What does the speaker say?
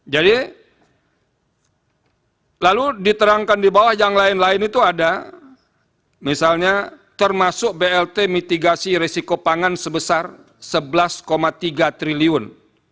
jadi lalu diterangkan di bawah yang lain lain itu ada misalnya termasuk blt mitigasi resiko pangan sebesar rp sebelas tiga triliun